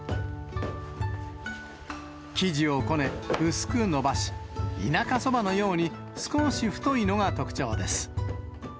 生地をこね、薄くのばし、田舎そばのように少し太いのが特徴です。